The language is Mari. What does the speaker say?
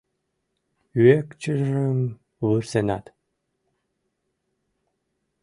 Ӱэкчыжым вурсенат